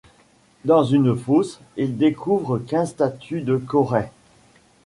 Dans une fosse, il découvre quinze statues de korai.